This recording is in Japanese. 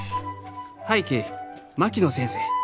「拝啓槙野先生。